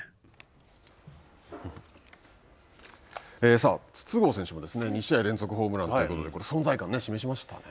さあ筒香選手も２試合連続ホームランということで存在感を示しましたね。